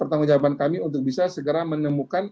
pertanggung jawaban kami untuk bisa segera menemukan